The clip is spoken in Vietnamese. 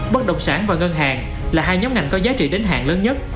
bất động sản và ngân hàng là hai nhóm ngành có giá trị đến hàng lớn nhất